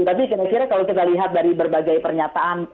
tapi kira kira kalau kita lihat dari berbagai pernyataan